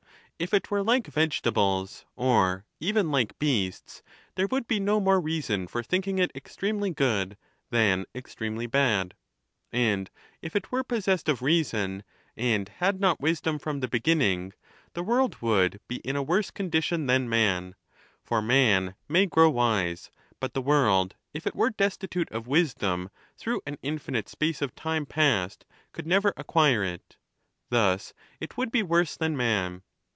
If it were like vegetables, or even like beasts, there would be no more reason for thinking it extremely good than extremely bad ; and if it were possessed of reason, and had not wisdom from the beginning, the world would be in a worse condition than man ; for man may grow wise, but the world, if it were destitute of wisdom through an infinite space of time past, could never acquire it. Thus it would be worse than man.